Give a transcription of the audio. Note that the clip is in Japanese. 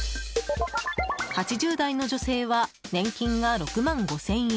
８０代の女性は年金が６万５０００円。